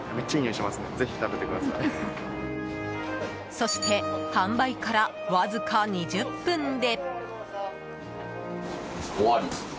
そして販売からわずか２０分で。